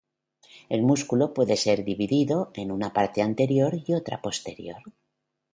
El músculo puede ser dividido en una parte anterior y otra posterior.